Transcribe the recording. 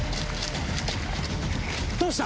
どうした？